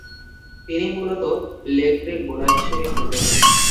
তিনি মূলতঃ leg break bowler হিসেবে খেলতেন।